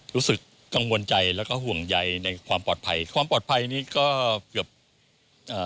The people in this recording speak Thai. รู้สึกกังวลใจแล้วก็ห่วงใยในความปลอดภัยความปลอดภัยนี้ก็เกือบอ่า